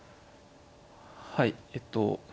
はいえっと